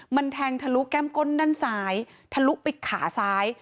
มันแทงทะลุแก้มก้นด้านซ้ายทะลุไปขาซ้าย